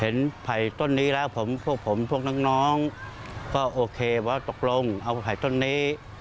ไผ่ต้นนี้แล้วผมพวกผมพวกน้องก็โอเคว่าตกลงเอาไผ่ต้นนี้